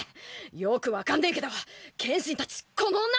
よく分かんねえけど剣心たちこの女守ってんだろ！？